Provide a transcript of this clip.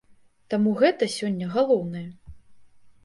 Таму гэта сёння галоўнае.